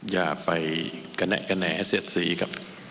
อย่าไปกนแหนกนแหนเสียดสีครับ